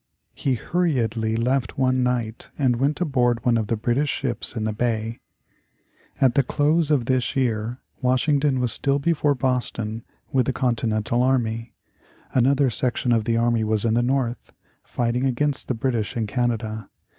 He hurriedly left one night and went aboard one of the British ships in the bay. At the close of this year Washington was still before Boston with the Continental army. Another section of the army was in the North, fighting against the British in Canada.